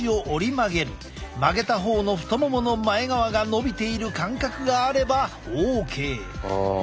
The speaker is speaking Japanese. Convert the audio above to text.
曲げた方の太ももの前側が伸びている感覚があればＯＫ。